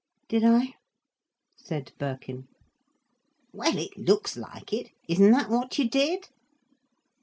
"Did I?" said Birkin. "Well, it looks like it. Isn't that what you did?"